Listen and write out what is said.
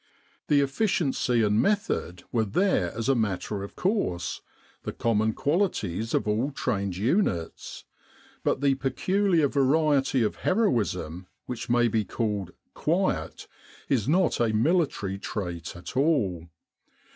The efficiency and 54 'The Long, Long Way to Achi Baba" method were there as a matter of course, the common qualities of all trained units; but the peculiar variety of heroism which may be called "quiet" is not a military trait at all.